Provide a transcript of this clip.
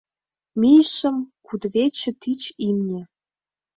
Мийышым — кудывече тич имне.